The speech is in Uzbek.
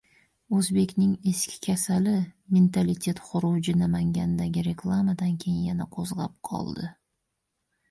Oʻzbekning eski kasali - mentalitet xuruji Namangandagi reklamadan keyin yana qoʻzgʻab qoldi.